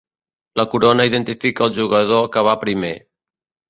La corona identifica el jugador que va primer.